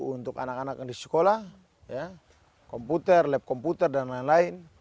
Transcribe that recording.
untuk anak anak yang di sekolah komputer lab komputer dan lain lain